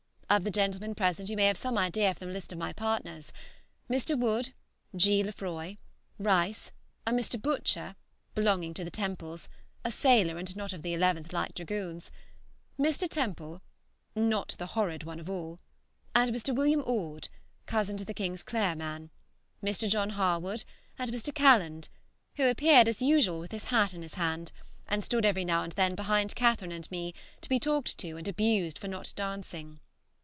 Of the gentlemen present you may have some idea from the list of my partners, Mr. Wood, G. Lefroy, Rice, a Mr. Butcher (belonging to the Temples, a sailor and not of the 11th Light Dragoons), Mr. Temple (not the horrid one of all), Mr. Wm. Orde (cousin to the Kingsclere man), Mr. John Harwood, and Mr. Calland, who appeared as usual with his hat in his hand, and stood every now and then behind Catherine and me to be talked to and abused for not dancing.